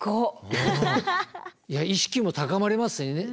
意識も高まりますしね。